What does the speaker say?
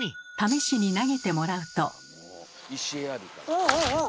おお！